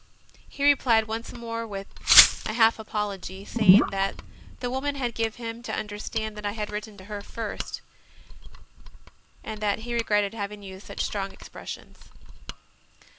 He replied once more with a half apology, saying that the woman had given him to under stand that I had written to her first, and that he regretted having used such strong expressions.